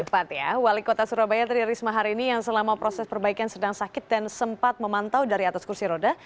tepat ya wali kota surabaya tri risma hari ini yang selama proses perbaikan sedang sakit dan sempat memantau dari atas kursi roda